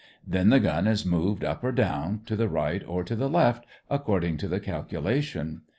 Then the gun is moved up or down, to the right or to the left, according to the calculation.